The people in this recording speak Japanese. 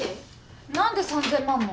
何で３，０００万も？